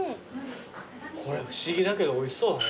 これ不思議だけどおいしそうね